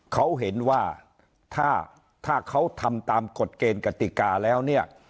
เขาเห็นว่าถ้าเขาทำตามกฎเกณฑ์กติกาแล้วเนี่ย